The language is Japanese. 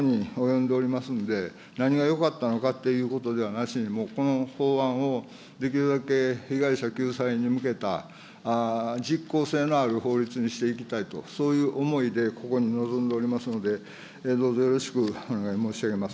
今、ここに呼んでおりますんで、何がよかったのかっていうことではなしに、もうこの法案をできるだけ被害者救済に向けた実効性のある法律にしていきたいと、そういう思いで、ここに臨んでおりますので、どうぞよろしくお願い申し上げます。